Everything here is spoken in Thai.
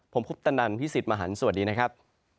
ผมคุปตันดันพิศิษฐ์มหันต์สวัสดีนะครับ